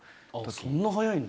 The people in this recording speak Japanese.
そんな早いんだ。